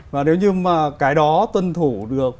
và nếu như mà cái đó tuân thủ được